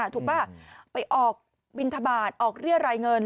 ถูกป่ะไปออกบินทบาทออกเรียรายเงิน